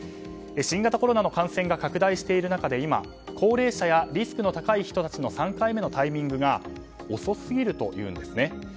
新型コロナの感染が拡大している中で今高齢者やリスクの高い人たちの３回目のタイミングが遅すぎるというんですね。